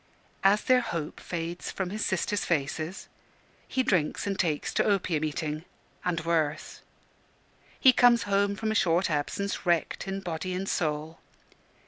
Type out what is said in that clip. As their hope fades from his sisters' faces, he drinks and takes to opium eating and worse. He comes home from a short absence, wrecked in body and soul.